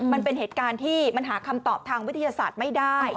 มันเป็นเหตุการณ์ที่มันหาคำตอบทางวิทยาศาสตร์ไม่ได้